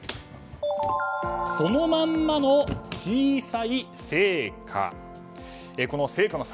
そのまんまの小さい聖火。